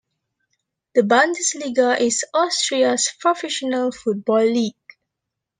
The Bundesliga is Austria's professional football league.